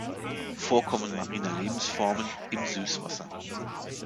Vorkommen mariner Lebensformen im Süßwasser.